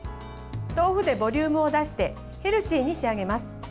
豆腐でボリュームを出してヘルシーに仕上げます。